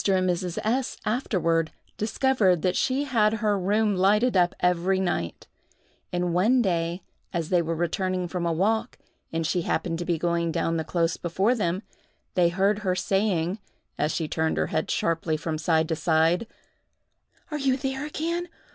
and Mrs. S—— afterward discovered that she had her room lighted up every night; and one day, as they were returning from a walk, and she happened to be going down the close before them, they heard her saying, as she turned her head sharply from side to side, "Are you there again?